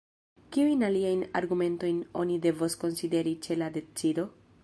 Kiujn aliajn argumentojn oni devos konsideri ĉe la decido?